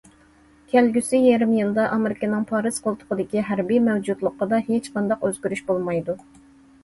كەلگۈسى يېرىم يىلدا، ئامېرىكىنىڭ پارس قولتۇقىدىكى ھەربىي مەۋجۇتلۇقىدا ھېچقانداق ئۆزگىرىش بولمايدۇ.